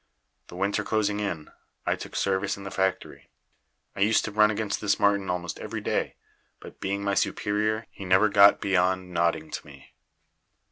The winter closing in, I took service in the factory. I used to run against this Martin almost every day, but being my superior he never got beyond nodding to me.